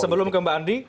sebelum ke mbak andi